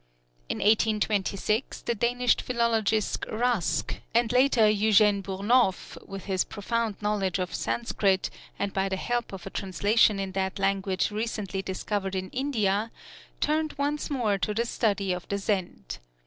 In 1826 the Danish philologist Rask, and later Eugène Burnouf, with his profound knowledge of Sanskrit, and by the help of a translation in that language recently discovered in India, turned once more to the study of the Zend.